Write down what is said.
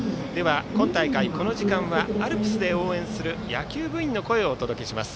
今大会、この時間はアルプスで応援する野球部員の声をお届けします。